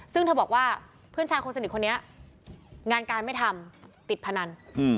ซึ่งเธอบอกว่าเพื่อนชายคนสนิทคนนี้งานการไม่ทำติดพนัน